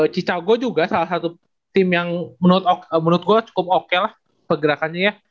cicago juga salah satu tim yang menurut gue cukup oke lah pergerakannya ya